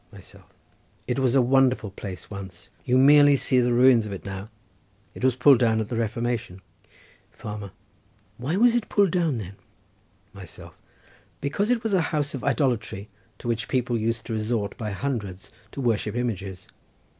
Myself.—It was a wonderful place once; you merely see the ruins of it now. It was pulled down at the Reformation. Farmer.—Why was it pulled down then? Myself.—Because it was a house of idolatry to which people used to resort by hundreds to worship images.